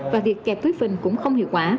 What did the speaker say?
và việc kẹp túi phình cũng không hiệu quả